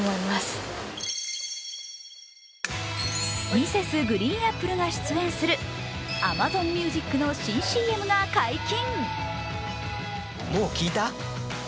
Ｍｒｓ．ＧＲＥＥＮＡＰＰＬＥが出演するＡｍａｚｏｎＭｕｓｉｃの新ＣＭが解禁。